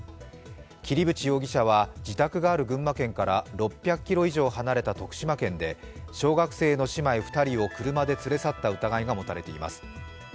桐淵容疑者は自宅がある群馬県から６００ｋｍ以上離れた徳島県で小学生の姉妹２人を車で連れ去った疑いが持たれています。